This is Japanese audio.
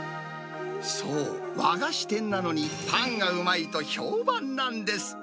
そう、和菓子店なのに、パンがうまいと評判なんです。